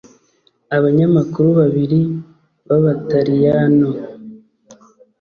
Abanyamakuru babiri b'aba Taliyano